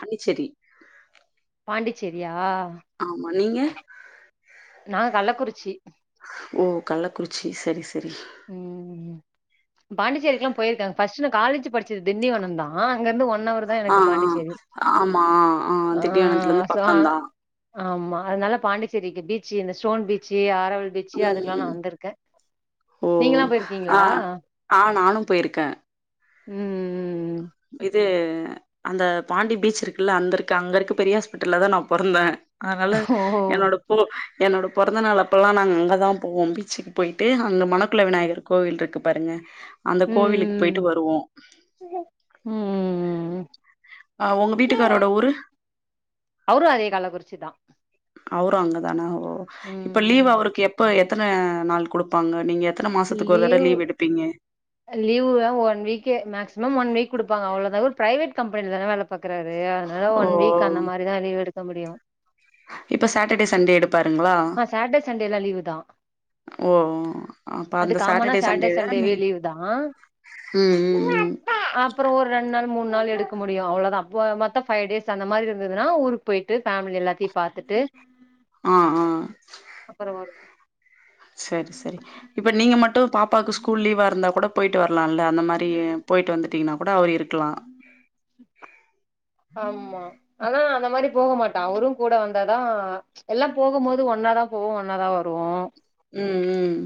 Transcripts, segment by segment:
அண்டிச்செரி பாண்டிச்சேரியா ஆமா நீங்க நா கள்ளகுறிச்சி ஓ கள்ளகுறிச்சி செரி செரி ம் பாண்டிச்சேரிக்கு எல்லா போயிருக்கே ஃபர்ஸ்ட் நா காலேஜ் படிச்சது திண்டிவனோ தா அங்கந்து ஒ ஒன் அவர்தா ஆ, எனக்கு ஆ. பாண்டிச்சேரி ஆமா. ஆ திண்டிவனத்துலருந்து பக்கம் தான். ஆமா அதனால பாண்டிச்சேரிக்கு பீச்சு இந்த ஸ்டோன் பீச்சு ஆரவல் பீச்சு அதுக்கெல்லா நா ம். வந்திருக்கே ஓ! நீங்கெல்லா போயிருக்கீங்களா ஆ. ஆ நானும் போயிருக்கேன். ம் ம் ம் இது அந்த பாண்டி பீச் இருக்குல்ல அந்த இருக்கு அங்க இருக்கு பெரிய ஹாஸ்பிட்டல்ல தா நா பிறந்தே அதனால ஓ என்னோட ஓ என்னோட பொறந்த நாள் அப்பலா நாங்க அங்கதா போவோ பீச்சுக்கு போயிட்டு அங்க மணக்குள்ள விநாயகர் கோவில் இருக்கு பாருங்க அந்த கோவிலுக்கு போயிட்டு வருவோ உம் உம் உம் ஆ உங்க வீட்டுக்காரோட ஊரு அவரு அதே கல்லக்குறிச்சி தா அவரு அங்கதானா ஓ இப்ப ம் லீவ் அவருக்கு எப்ப எத்தன நாள் கொடுப் ப்பாங்க நீங்க எத்தன மாசத்துக்கு ஒரு தடவை லீவ் எடுப்பீங்க leave one week maximum one week கொடுப்பாங்க அவ்ளதா ஒரு பிரைவேட் கம்பெனில தானே வேல பாக்குறாரு அதனால ஓ ஒன் வீக் அந்த மாரிதா லீவு எடுக்க முடியு இப்போ சாட்டர்டே சண்டே எடுக் பாருங்களா ஆஹ் சாட்டர்டே சண்டேலா லீவு தா ஓ அப்ப அந்த காமனா சாட்டர்டே சண்டேல சண்டேவே நீங்க லீவுதா உம் உம் உம் அப்புறோ ஒரு ரெண் நாள் மூன் நாள் எடுக்க முடியு அவ்ளோதா அப்ப மொத்தோ ஃபை டேஸ் அந்த மாரி இருந்ததுனா ஒரு போயிட்டு ஃபேமிலி எல்லாத்தையு பாத்துட்டு ஆஹ் ஆஹ் அப்புறோ வரு சரி சரி இப்ப நீங்க மட்டு பாப்பாக்கு ஸ்கூல் லீவா இருந்தா கூட போயிட்டு வரலால்ல அந்த மாரி ஏ போயிட்டு வந்துட்டிங்கனா கூட அவரிருக்கலா ஆமா அதா அந்த மாரி போக மாட்டா அவரு கூட வந்தா தா ச் எல்லா போகும்போது ஒன்னாதான் போவோ ஒன்னாதான் வருவோ உம் உம்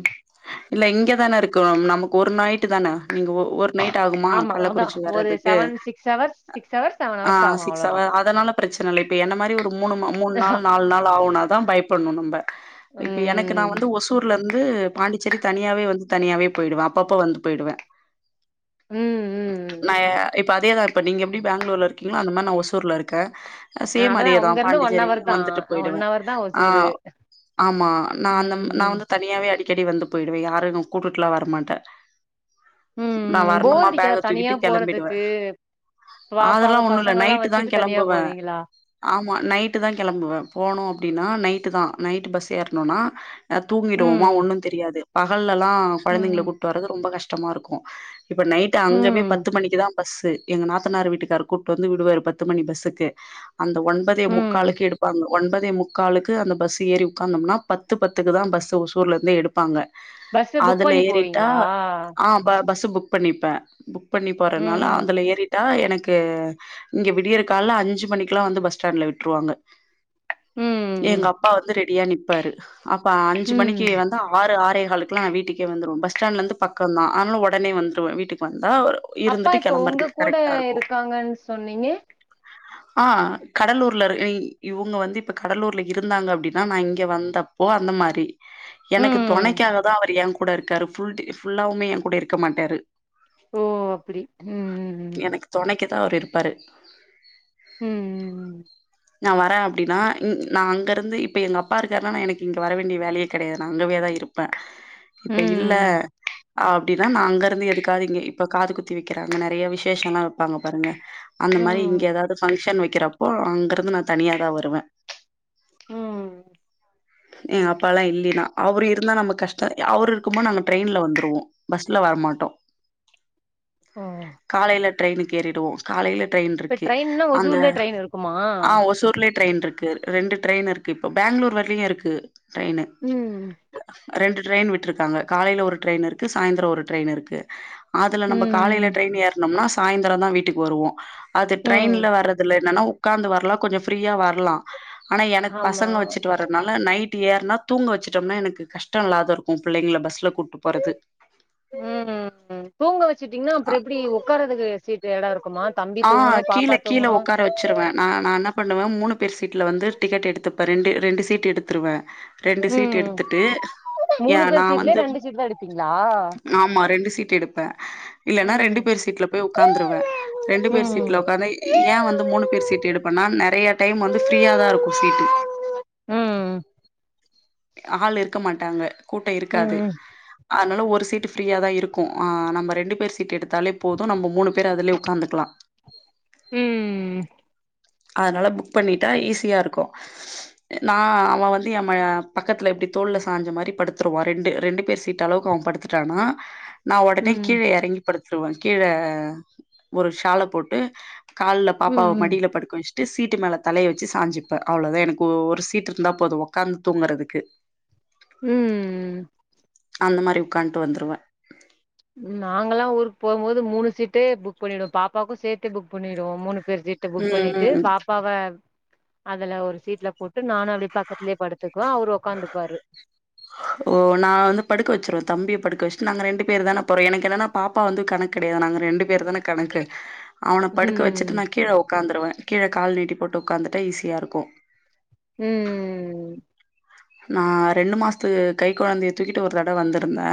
இல்ல இங்க தானே இருக்குறோ நமக்கு ஒரு நைட்டு தானே நீங்க ஒரு நைட்டாகுமா ஆமா அதா கள்ளக்குறிச்சி ஒரு வர்றதுக்கு seven six hours six hours seven hours ஆஹ் ஆகு சிக்ஸ் அவ்ளோதா ஹவர் அதனால பிரச்சனல்ல இப்ப என்ன மாரி ஒரு மூணு மூண்நாள் நால் நாள் ஆவுனாதா பயப் பண்ணு நம்ப இப்ப எனக்கு நா வந் ம் ஊர்லருந்து பாண்டிச்சேரி தனியாவே வந்து தனியாவே போயிடுவே அப்பப்ப வந்து போயிடுவே உம் நா இப்ப அதேதா இப்ப நீங்க எப்டி பேங்களூர்ல இருக்கீங்களோ அந்த மாரி நா ஒசூர்லருக்கே ம் சேம் அதா அதேதா அங்க இருந்து ஒன் பாண்டிச்சேரி ஹவர் தா வந்துட்டு ஒன் போயிடுவே ஹவர் தா ஒசூரு ஆஹ் ஆமா நா அந்த ம் நா ம் வந்து தனியாவே அடிக்கடி வந்து போயிடுவே யாரையு கூட்டுட்டுலா வரமாட்டே ம் நா ம் போர் வரணுமா அடிக்காதா பேக தனியா தூக்கிட்டு கெளம்பிடுவே போறதுக்கு அதெல்லா பாப்பாவ ஒண்ணு இல்ல பசங்களல்லா நைட்டு தா வச்சுட்டு தனியா கிளம்புவே போவீங்களா ஆமா நைட்டு தா கிளம்புவே போனு அப்படின்னா நைட்டு தா நைட் பஸ் ஏறனுன்னா தூங்கிடுவோமா ம் ஒன்னு தெரியாது பகல்ல எல்லா குழந்தைங்களை ம் கூட்டு வர்றது ரொம்ப கஷ்டமா இருக்கு இப்ப நைட் அங்கபோய் ம் பத்து மணிக்கு தா பஸ்ஸு எங்க நாத்தனார் வீட்டுக்காரரு கூட்டு வந்து விடுவாரு பத்து மணி பஸ்ஸுக்கு அந்த ஒன்பதே ம் முக்காளுக்கு எடுப்பாங்க ஒன்பதே முக்காலுக்கு அந்த பஸ் ஏறி உட்காந்தோம்னா பத்து பத்து பத்துக்கு தா பஸ்ஸு ஒசூர்லந்தே எடுப்பாங்க. பஸ்ஸு புக் அதுல பண்ணி ஏறிட்டா போவீங்களா ஆ ப பஸ்ஸு புக் பண்ணிப்பே புக் பண்ணி போறனால ம் அதுல ஏறி ஆஹ் எனக்கு இங்க விடியற கால்ல அஞ்சு மணிக்குலா வந்து பஸ் ஸ்டாண்ட்ல விட்ருவாங்க ம் எங்க ம் அப்பா வந்து ரெடியா நிப்பாரு அப்ப அஞ்சு ம் மணிக்கு வந்து ஆறு ஆறே காளுக்குலா நா வீட்டுக்கே வந்துருவே. பஸ் ஸ்டாண்ட்லந்து பக்கந்தா அதனால ஒடனே வந்த்ருவே. வீட்டுக்கு வந்தா ஒரு அப்பா இருந்துட்டு இப்ப உங்க கெளம்பறதுக்கு கூட கரெக்டா இருக்கு இருக்காங்கனு சொன்னீங்க ஆஹ் கடலூர்ல ஐ இவுங்க வந்து இப்ப கடலூர்ல இருந்தாங்க அப்டின்னா நா இங்க வந்தப் போ அந்த மாரி எனக்கு ம் தொணைக்காகதா அவர் என் கூ ட இருக்காரு ஃபுல் ஃபுல்லாவுமே என் கூட இருக்க மாட்டாரு ஓ அப்டி ம் ம் ம் எனக்கு தொணைக்குதா அவர் இருப்பாரு ம் நா வர அப்டினா ன் நா அங்கிருந்து இப்ப எங்க அப்பா இருக்காருனா நா எனக்கு இங்க வரவேண்டிய வேலயே கெடையாது நா அங்கவேதா இருப்ப ம் இப்ப இல்ல ம் அப்டினா நா அங்கிருந்து எதுக்காது இங்க இப்ப காது குத்தி வெக்கிறாங்க நெறயா விஷேஷல்லா ப்பாங்க பாருங்க அந்த மாரி இங்க ம் ஏதாது ஃபங்க்ஷன் வெக்கிறப்போ அங்கிருந்து நா தனியாதா வருவ ம் எங்க அப்பால்லா இல்லீனா அவரு இருந்தா நம்ம கஷ்ட அவரு இருக்கும்போ நாங்க ட்ரெய்ன்ல வந்துருவோ பஸ்ல வரமாட்டோ ஓ காலைல ட்ரெயினுக்கு ஏறிடுவோ காலைல ட்ரெய்ன் இப்ப இருக்கு ட்ரெயின்னா அந்த ஒசூர்லயே ட்ரெயின் இருக்குமா ஆ ஒசூர்லயே ட்ரெய்ன் இருக்கு ரெண்டு ட்ரெய்ன் இருக்கு இப்ப பேங்களூர் வரைலயு இருக்கு ட்ரெய்னு ம் ரெண்டு ட்ரெய்ன் விட்ருக்காங்க காலைல ஒரு ட்ரெய்ன் இருக்கு சாய்ந்திரோ ஒரு ட்ரெய்ன் இருக்கு அதுல நம்ம காலைல ம் ட்ரெய்ன் ஏறுனம்னா சாய்ந்திரந்தான் வீட்டுக்கு வருவோ அது ம் ட்ரெய்ன்ல வர்றதுல என்னனா உக்காந்து வரலா கொஞ்சொ ஃப்ரீயா வரலா அனா எனக்கு ஆமா பசங்க வெச்சுட்டு வறனால நா நைட்டு ஏர்னா தூங்க வெச்சுட்டோம்னா எனக்கு கஷ்டோ இல்லாதிருக்கு பிள்ளைங்கள பஸ்ல கூட்டு போறது ம் தூங்க வெச்சுட்டீங்கனா அ அப்றொ எப்டி உக்காறதுக்கு சீட் சேடாருக்குமா தம்பி தூங்கணு பாப்பா தூங்கணு வெச்சிருவ நா நா என்ன பண்ணுவ மூணு பேரு சீட்ல வந்து டிக்கெட்டு எடுத்துப்ப ரெண்டு ரெண்டு சீட் எடுத்துருவ ரெண்டு சீட்டு ம் எடுத்துட்டு ஏ மூணு நா பேர் சீட்லயே வந்து ரெண்டு சீட் தா எடுப்பீங்களா ஆமா ரெண்டு சீட்டு எடுப்ப இல்லனா ரெண்டு ம் பேரு சீட்ல போய் உக்காந்துருவ ரெண்டு பேரு ம் சீட்ல உ க்காந்தா ஏன் வந்து மூணு பேரு சீட்டு எடுப்பனா நெறையா டைம் வந்து ஃப்ரீயாதா இருக்கு சீட்டு ஆள் இருக்க மாட்டாங்க கூட்டோ இருக்காது ம் அதனால ஒரு சீட்டு ஃப்ரீயாதா இருக்கு ஆ நம்ம ரெண்டு பேரு சீட்டு எடுத்தாலே போது நம்ம மூணு பேரு அதிலே உக்காந்துக்லா ம் அதனால புக் பண்ணிட்டா ஈஸியா இருக்கு நா அவன் வந்து என் ம பக்கத்துல இப்டி தோல்ல சாஞ்ச மாறி படுத்துருவான் ரெண்டு ரெண்டு பேரு சீ ட்டளவுக்கு அவன் படுத்துட்டானா நா ஒடனே கீழ ம் எறங்கி படுத்திருவ கீழ ஒரு ஷால போட்டு கால்ல பாப்பாவ ம் ம் மடில படு வெச்ட்டு சீட்டு மேல தலைய வெச்சு சாஞ்சுப்ப அவ்ளோதா எனக்கு ஒரு சீட் இருந்தா போது உக்காந்து தூங்கறதுக்கு ம் அந்த மாரி உக்கான்ட்டு வந்துருவ ம் நாங்கல்லா ஊருக்கு போகும்போது மூணு சீட்டே புக் பண்ணிடுவோ பாப்பாக்கு சேத்தே புக் பண்ணிடுவோ மூணு பேர் சீ ட்டு புக் ம் பண்ணிட்டு ம் பா பாவ அதுல ஒரு சீட்ல போட்டு நானு அப்டியே பக்கத்துலயே படுத்துக்குவ அவரு ஒக்காந்துப்பாரு ஓ நா வந்து படுக்க வெச்சிருவ தம்பிய படுக்க வெச்சுட்டு நாங்க ரெண்டு பேருதான போறோ எனக்கென்னனா பா அப்பா வந்து கணக்கு கெடயாது நாங்க ரெண்டு பேருதான கணக்கு அவன படுக்க வெச்சுட்டு ம் நா கீழ உக்காந்திருவ கீழ கால் நீட்டி போட்டு உக்காந்துட்டா ஈஸியா இருக்கு ம் நா ரெண்டு மாசத்து கை கொழந்தைய தூக்கிட்டு ஒரு தட வந்திருந்தே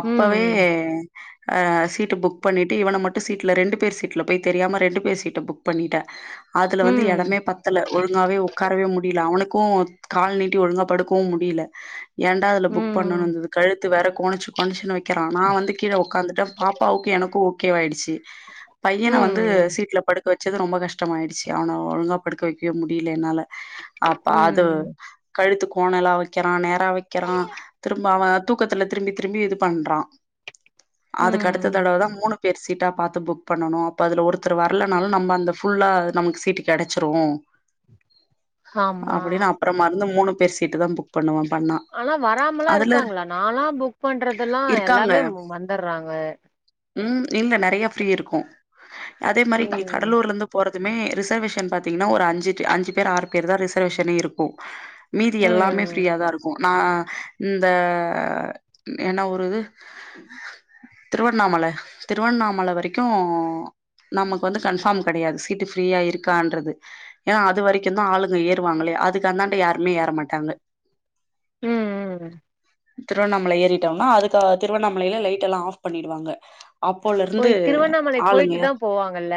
அப்பவே ம் ஆ சீட்டு புக் புக் பண்ணிட்டு இவன மட்டூ சீட்ல ரெண்டு பேரு சீட்ல போய் தெரியாம ரெண்டு பேரு சீட்ட புக் பண்ணிட்டே அதுல வந்து ம் எடமே பத்தல ஒழுங்காவே ஒக்காரவே முடில அவனுக்கூ கால்நீட் ஒழுங்கா படுக்கவு முடியல ஏண்டா இதுல புக் ம் பண்ணோண்து கழுத்து வேற கோனச்சு கோனச்சுனு வைக்க க்கறா நா வந்து கீழ ஒக்காந்துட்ட பாப்பாவுக்கூ எனக்கூ ஓகேவாயிடுச்சு பையன வந்து ம் சீட்ல படுக் வச்சது ரொம்ப கஷ்டமாய்டுச்சு அவன ஒழுங்கா படுக்க வைக்கவே முடியல என்னால அப்ப அது ம் கழுத்து கோனலா வக்கெறா நேரா வக்கெறா திரும்ப அவ தூக்கத்துல திரும்பி திரும்பி இது பண்றா அதுக்கு அடுத்த ம் தடவ தா மூணு பேர் சீட்டா பாத்து புக் பண்ணனூ அப்ப அதுல ஒருத்தரு வரலனாலு நம்ம அந்த ஃபுல்லா நமக்கு சீட்டு கெடச்சுரூ [inaudible] அப்டினு அப்றமாருந்து மூணு பேரூ சீட்டு தா புக் பண்ணுவோ பண்ணா ஆனா வராமலா அதுல இருக்காங்களா நாலா புக் பண்றதுலா இருக்காங்க எல்லாமே வந்திட்றாங்க ம் இல்ல நெறையா ஃப்ரீ இருக்கூ அதே மாறி இங்க ம் கடலூர்ல இருந்து போறதுமே ரிசர்வேஷன் பாத்தீங்ன்னா ஒரு அஞ்சு அஞ்சு பேரு ஆறு பேரூ தா‌ ரிசர்வேஷனே இருக்கூ மீதி எல்லாமே ம் ஃப்ரீயா தா இருக்கூ நா இந்த என்ன ஊரது திருவண்ணாமல திருவண்ணாமல வரைக்கூ நமக்கு வந்து கன்ஃபார்ம் கெடயாது சீட்டு ஃப்ரீயா இருக்கான்றது ஏன்னா அது வரைக்கூ தா ஆளுங்க ஏறுவாங்களே அதுக்கந்தாண்ட யாருமே ஏறமாட்டாங்க ம் ம் திருவண்ணாமல ஏறிட்டம்னா அதுக்க திருவண்ணாமலைல லைட்டெல்லா ஆஃப் பண்ணிடுவாங்க அப்போல ஓ இருந்து திருவண்ணாமலை போயிட்டு தா ஆளுங்கயாரு போவாங்கல்ல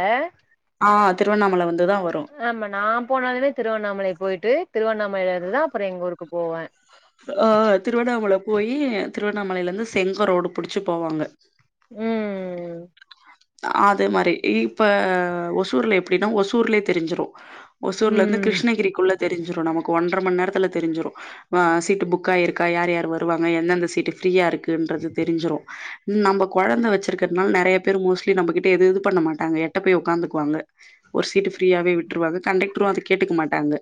ஆ திருவண்ணாமல வந்துதா வரூ ஆமா நா போனாலுமே திருவண்ணாமலை போய்ட்டு திருவண்ணாமலைல இருந்துதா அப்றோ எங்க ஊருக்கு போவே ஆ திருவண்ணாமல போயீ திருவண்ணாமலைல இருந்து செங்கோ ரோடு புடுச்சு போவாங்க ம் அது மாரி இப்ப ஒசூர்ல எப்டின்னா ஒசூர்லயே தெரிஞ்சிரும் ஒசூர்ல இருந்து ம் கிருஷ்ணகிரிக்குள்ள தெரிஞ்சிரும் நமக்கு ஒன்ர மண் நேரத்துல தெரிஞ்சிடும் சீட்டு புக்காயிருக்கா யார் யார் வருவாங்க எந்தெந்த சீட்டு ஃப்ரீயா இருக்குன்றது தெரிஞ்சிறும் நம்ம கொழந்த வச்சிருக்கறதுனால நெறைய பேரு மோஸ்ட்லி நம்ம கிட்ட எது இது பண்ண மாட்டாங்க எட்ட போய் உக்காந்துக்குவாங்க ஒரு சீட்டு ஃப்ரீயாவே விட்டுருவாங்க கண்டெக்டரும் அத கேட்டுக்க மாட்டாங்க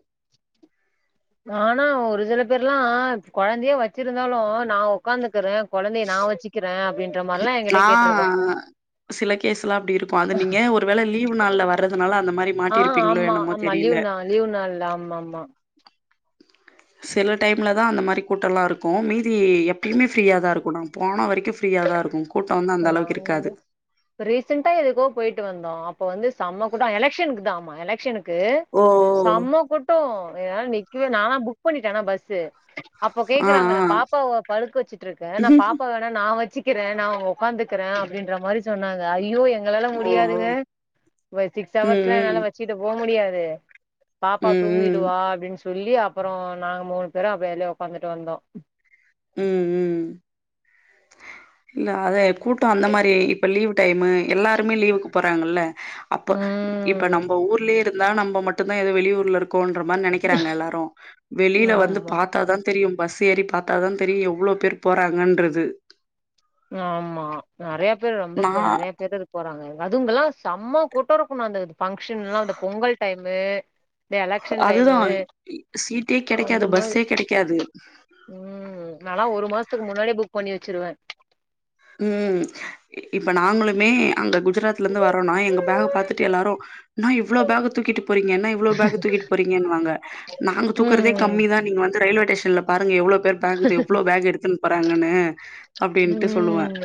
ஆனா ஒரு சில பேர்ல்லா கொழந்தையே வச்சிருந்தாலும் நா உட்காந்துக்குறே கொழந்தைய நா வச்சுக்கிறே அப்படின்ற மாரிலா ஆ என்கிட்ட கேட்டிருக்காங்க சில கேஸ்ல்லா அப்டி இருக்கும் அது நீங்க ஒரு வேல லீவ் நாள்ல வர்றதுனால அந்த மாரி மாட்டியிருப்பீங்களோ என்னமோ தெரியல லீவ் நா லீவு நாள்ல ஆமா ஆமா சில டைமில தா அந்த மாரி கூட்டல்லா இருக்கும் மீதி எப்பயுமே ஃப்ரீயா தா இருக்கும் நா போன வரைக்கும் ஃப்ரீயா தா இருக்கும் கூட்டம் வந்து இப்ப அந்த அளவுக்கு இருக்காது. நாங்களுமே இப்ப ரீசெண்டா எதுக்கோ போயிட்டு வந்தோ அப்ப வந்து செம்ம கூட்டோ எலக்க்ஷனுக்குதா ஆமா எலக்க்ஷனுக்கு ஓ க்கு ஓ. செம கூட்டோ என்னால நிக்கவே நால்லா புக் பண்ணிட்டே ஆனா பஸ்சு அப்ப ஆ கேக்குறாங்க நா ஆ. பாப்பாவ படுக்க வச்சுட்டு இருக்கே நா பாப்பா வேணா நா வச்சுக்கிறே நா உக்காந்துக்கறே அப்டின்ற மாறி சொன்னாங்க ஐயோ எங் எங்களால ஓ ஓ. முடியாதுங்க வ ம் சிக்ஸவர்ஸ்லா என்னால ம். வச்சுட்டு போ முடியாது பாப்பா ம் ம். தூங்கிடுவா அப்டினு சொல்லி அப்பறோ நாங்க மூணு பேர அப்ப அதுலே உக்காந்துட்டு வந்தோ உம் உம் இல்ல அதே கூட்டோ அந்த மாரி இப்ப லீவூ டைம்மு எல்லாருமே லீவுக்கு போறாங்கல்ல அப்ப இப்ப ம் நம்ம ஊர்லே இருந்தா நம்ம மட்டுந்தா ஏதோ வெளியூர்ல இருக் கோன்ற மாரி நெனைக்றாங்க எல்லாரு வெளியில வந்து ஆமா பாத்தா தா தெரியு பஸ் ஏறி பாத்தா தா தெரியு எவ்ளோ பேர் போறாங்கன்றது நாம்மா நெறைய பேர் ரொம்ப நா ப்ப நெறைய பேரு இருக் போறாங்க அதுங்கல்லா செம்ம கூட்ட இருக்கணு அந்த ஃபங்க்ஷன் எல்லா அந்த பொங்கள் டைம்மு இந்த எலெக்க்ஷன் அதுதா டைம்மு சீட்டே அந்த கெடைக்காது மாரி பஸ்ஸே கெடைக்காது உம் நா லா ஒரு மாசத்துக்கு முன்னாடியே புக் பண்ணி வச்சிருவே உம் இப்ப நாங்களுமே அங்க குஜராத்ல இருந்து வரோம்னா எங்க பேக பாத்துட்டு எல்லாரு நொய் இவ்ளோ பேக தூக்கிட்டு போரீங்க என்ன இவ்ளோ பேக்க தூக்கிட்டு போறீங்கனு வாங்க நாங்க தூக்குறதே ம் கம்மி தா நீங்க வந்து ரயில்வே டேஷன்ல பாருங்க எவ்ளோ பேர் பெத்தேன்வ் எவ்ளோ பேக் எடுத்துன்னு போறாங்கன்னு அப்டின்ட்டு சொல்லுவ ம்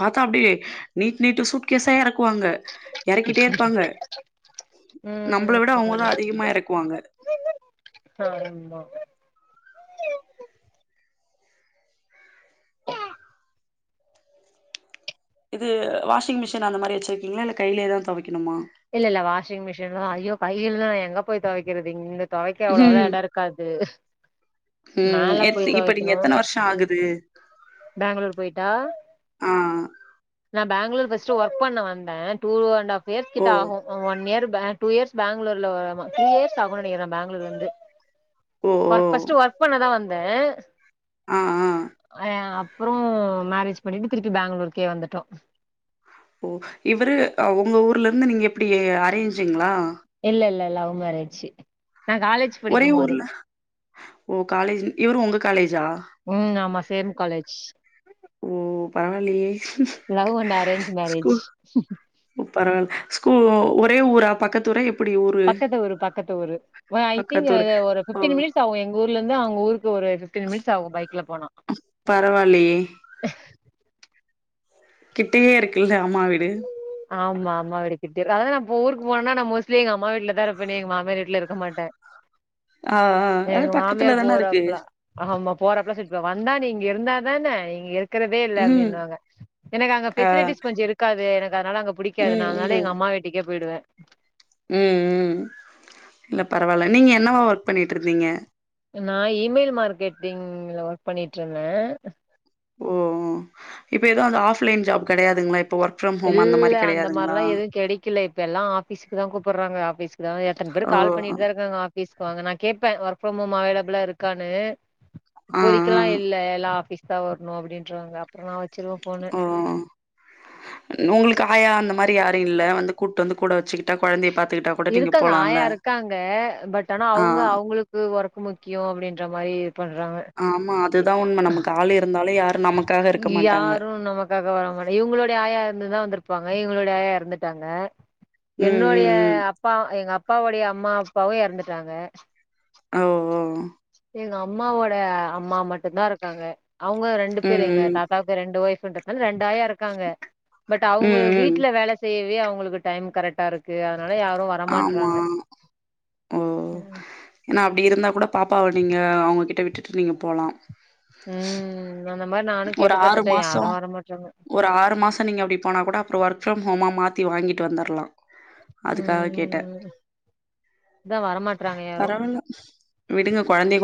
பாத்தா அப்டியே நீட் நீட் சூட்கேசா இறக்கு வாங்க இறக்கிட்டே இருப்பாங்க நம்மள விட அவுங்க தா அதிகமா இறக்கு வாங்க ஆ ரொம்பா இது வாஷிங் மிஷின் அந்த மாரி வச்சிருக்கீங்களா இல்ல கையிலேதா தோவைக்கணுமா இல்ல இல்ல வாஷிங் மிஷின் தா ஐயோ கைல்ல எங்க போய் தோவைக்கிறது இங் தோவைக்க அவ்ளோவுலா எடோ இருக்காது உம் மேல எப்டி போய் இப்ப நீங்க தொவைக்கணு எத்தன வர்ஷோ ஆகுது பேங்களூர் போயிட்டா ஆ நா பேங்களூர் ஃபஸ்ட்டு ஒர்க் பண்ண வந்தே டூ ஆண்ட் ஹாஃப் ஓ இயர்ஸ்கிட்ட ஆகு one year back two years பேங்களூர்ல வ டூ இயர்ஸ் ஆகு நெனக்கிறே பேங்களூர் வந்து ஓ ஓ ஃபஸ்ட்டு ஒர்க் பண்ண தா வந்தே ஆ ஆ அய ஆ அப்றோ மேரேஜ் பண்ணிட்டு திருப்பி பேங்களூருக்கே வந்துட்டோ ஓ இவரு உங்க ஊர்ல இருந்து நீங்க எப்டி அரேஞ்சுங்களா இல்ல இல்ல இல்ல லவ் மேரேஜ்ஜூ ஒரே ஊர்ல ஓ காலேஜ் இவ்ரு உங்க காலேஜ்ஜா உம் ஆமா சேம் காலேஜ் ஓ பரவாயில்லையே லவ் அண்ட் அரேஞ்ச் மேரேஜ் பரவால் ஸ்கூல் ஓ ஒரே ஊரா பக்கத்து ஊர எப் பக்கத்து ஊரு பக்கத்து ஊரு ஓ ஐ திங் பக்கத்து அ ஊரு ஒரு ஓ ஃபிப்டீன் மினிட்ஸ் ஆகு எங் ஊர்ல இருந்து அவ்ங்க ஊருக்கு ஒரு ஃபிப்டீன் மினிட்ஸ் ஆகு பைக்ல போனா பரவா இல்லையே அஹ் கிட்டயே இருக்குல அம்மா வீடு ஆமா ஆமா அம்மா வீடு கிட்டதா அதா நா இப்போ ஊருக்கு போனா நா மோஸ்ட்லி எங்க அம்மா வீட்டுல தா இருப்பேனே எங்க மாமியார் வீட்டுல இருக்க மாட்டே ஆ ஆ அது எங்க பக்கத்துல மாமியாரு தான இருக்கு போறாப்பெப்ல ஆமா ஆமா போறப்பலா திட்டுறாங் வந்தா நீ இங்க இருந்தா தானா நீ இங் இருக் கறதே இல்ல ம் அப்பிடின்னு வாங்க எனக்கு அங்க ஆ பெசிலிட்டிஸ் கொஞ்சோ இருக்காது எனக்கு அதனால அங்கப் புடிக்காதது ம் நானால எங்க அம்மா வீட்டுக்கே போயிடுவே உம் உம் இல்ல பரவாயில்ல நீங்க என்னவா ஒர்க் பண்ணிட்டு இருந்தீங்க நா ஈ மெயில் மார்க்கெட்டிங்ல ஒர்க் பண்ணிட்டு டிருந்தே ஓ ஓ இப்ப எதுவு வந்து ஆப்லைன் ஜாப்பு கிடையாதுங்களா இப் இல்ல அந்த மாரில்லா எதும் கெடைக்கல இப்ப எல்லா ஆபீஸ்க்கு தா கூப்பிடுறாங்க ஆபீஸ்க் எத்தன பேர் ஓ கால் பண்ணிட்டுதா இருக்காங்க பேசுவாங்க நா கேட்பே ஒர்க் ஃப்ரம் ஹோம் அவைலபிளா இருக்கான்னு ஆ ஆ இப்போதைக்கெல்லா இல்ல எல்லா ஆஃபிஸ்க்கு தா வரணு அப்படின்ருவாங்க அப்புற நா வெச்சிருவே ஓ உங்களுக்கு ஆயா அந்த மாரி யாரு இல்ல வந்து கூப்ட்டு வந்து கூட வச்சுக் இருக்காங்க ஆயா இருக்காங்க பட் ஆனா ஆ அவுங்க அவுங்களு கு ஒர்க்கு முக்கியோ அப்டின்ற மாரி பண்றாங்க ஆம்மா அதுதா உண்ம நமக்கு ஆளு இருந்தாலு யாரும் நமக்காக இருக்க மாட்டாங்க க்காக வராமனா இவுங்களுடைய ஆயா இருந்துருந்தா வந்திருப்பாங்க இவுங்களுடைய ஆயா எறந்துட்டாங்க ம் என்னுடைய ம் ம் அப்பா எங்க அப்பாவுடைய அம்மா அப்பாவு எறந்துட்டாங்க அ ஓ ஓ எங்க அம்மாவோட அம்மா மட்டுந்தா இருக்காங்க அவுங்க ரெண்டு ம் பேரு எங்க ம் தாத்தா க்கு ரெண்டு ஒய்ஃப்ன்றதுனால ரெண்டு ஆயா இருக்காங்க பட் அவுங்க ம் ம் வீட்ல வேல செய்யவே அவங்களுக்கு டைம் கரெட்டா இருக் கு அதனால யாரு ஆமா வரமாட்றாங்க ஏனா அப்டி இருந்தா கூட பாப்பாவ நீங்க அவங்ககிட்ட விட்டுட்டு நீங்க போலா ம் அந்த மாரி நானு ஒரு கேட்டு ஆறு பாத்துட்டே மாசோ யாரு வர மாட்றாங்க ஒரு ஆறு மாச நீங்க அப்டி போனா கூட அப்புறோ ஒர்க் ஃப்ரம் ஹோமா மாத்தி வாங்கிட்டு வந்திர்லா அதுக்காக கேட்டே ம் அதா வரமாட்றாங்க யாரு பரவால்ல விடுங்க கொழந்தய